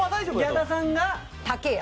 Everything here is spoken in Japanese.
矢田さんが竹屋。